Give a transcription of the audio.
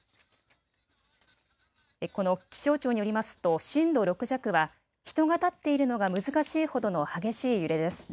気象庁によりますと震度６弱は人が立っているのが難しいほどの激しい揺れです。